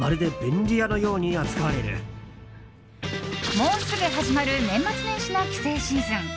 もうすぐ始まる年末年始の帰省シーズン。